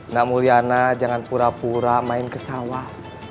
namulyana jangan pura pura main ke sawah